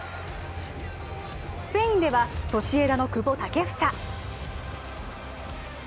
スペインでは、ソシエダの久保建英。